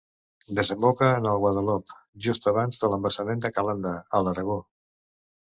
Desemboca en el Guadalop just abans de l'embassament de Calanda a l'Aragó.